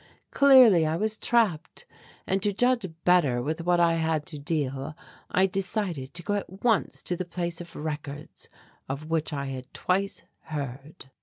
Clearly, I was trapped, and to judge better with what I had to deal I decided to go at once to the Place of Records, of which I had twice heard.